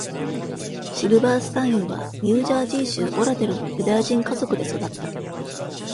シルバースタインはニュージャージー州オラデルのユダヤ人家族で育った。